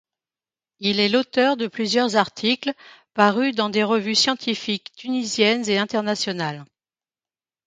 Il est l'auteur de plusieurs articles parus dans des revues scientifiques tunisiennes et internationales.